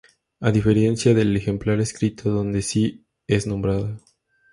A diferencia del ejemplar escrito, donde sí es nombrada.